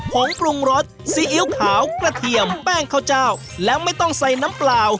งปรุงรสซีอิ๊วขาวกระเทียมแป้งข้าวเจ้าและไม่ต้องใส่น้ำเปล่า